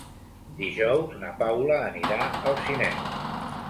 Dijous na Paula anirà al cinema.